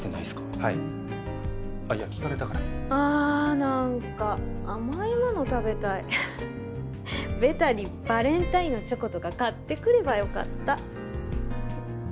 はいあいや聞かれたからああ何か甘いもの食べたいベタにバレンタインのチョコとか買ってくればよかった